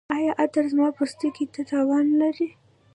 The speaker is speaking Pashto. ایا عطر زما پوستکي ته تاوان لري؟